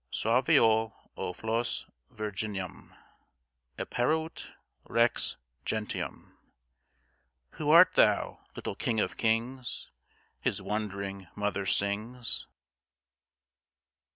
Suaviole o flos Virginum, Apparuit Rex Gentium. ... "Who art thou, little King of Kings?" His wondering mother sings.